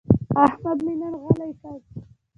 احمد مې نن غلی کړ.